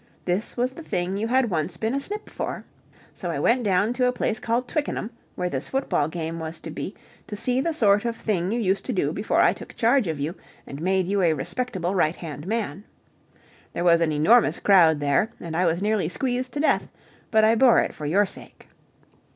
This was the thing you had once been a snip for! So I went down to a place called Twickenham, where this football game was to be, to see the sort of thing you used to do before I took charge of you and made you a respectable right hand man. There was an enormous crowd there, and I was nearly squeezed to death, but I bore it for your sake.